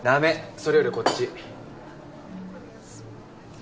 それよりこっち。